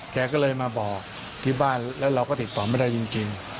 แกก็เลยมาบอกที่บ้านแล้วเราก็ติดต่อไม่ได้จริง